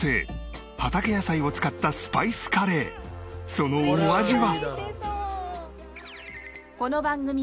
そのお味は？